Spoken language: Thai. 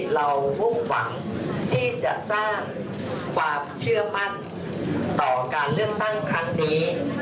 มุ่งหวังที่จะสร้างความเชื่อมั่นต่อการเลือกตั้งครั้งนี้